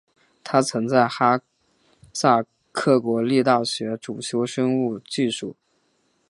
他曾在哈萨克国立大学主修生物技术。